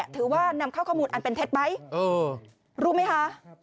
ถือว่านำเข้าข้อมูลอันเป็นเท็จไหมรู้ไหมคะ